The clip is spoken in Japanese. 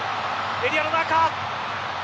エリアの中。